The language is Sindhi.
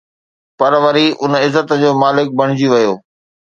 پر وري ان عزت جو مالڪ بڻجي ويو